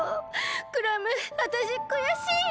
クラムわたしくやしいよ。